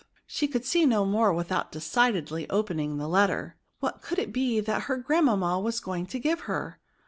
she could see no more vnthout decidedly open ing the letter. What could it be that her grandmamma was going to give her